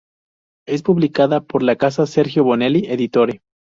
Es publicada por la casa Sergio Bonelli Editore.